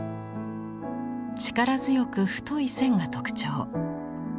力強く太い線が特徴。